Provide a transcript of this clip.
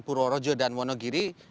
purworojo dan wonogiri